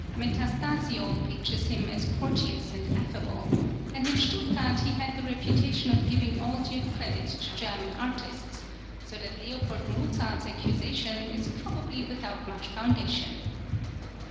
Metastasio pictures him as courteous and affable,[20014] and in Stuttgart he had the reputation of giving all due credit to German artists,[20015] so that L. Mozart's accusation is probably without much foundation.